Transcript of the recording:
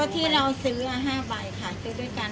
ที่เราซื้อ๕ใบค่ะซื้อด้วยกัน